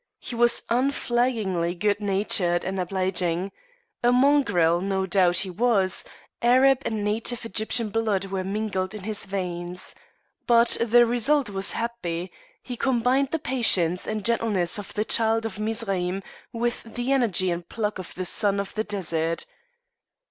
He was unflaggingly good natured and obliging. A mongrel, no doubt, he was; Arab and native Egyptian blood were mingled in his veins. But the result was happy; he combined the patience and gentleness of the child of Mizraim with the energy and pluck of the son of the desert.